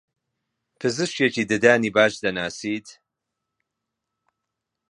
پزیشکێکی ددانی باش دەناسیت؟